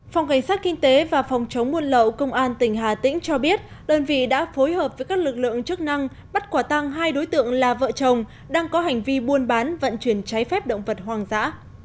phòng cảnh sát kinh tế và phòng chống buôn lậu công an tỉnh hà tĩnh cho biết đơn vị đã phối hợp với các lực lượng chức năng bắt quả tăng hai đối tượng là vợ chồng đang có hành vi buôn bán vận chuyển trái phép động vật hoang dã